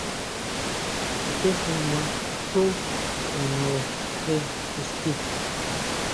Kjuatexuma xú kuanʼre je ixti.